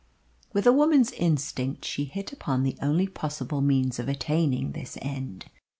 With a woman's instinct she hit upon the only possible means of attaining this end.